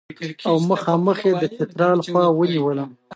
او مخامخ یې د چترال خوا ونیوله.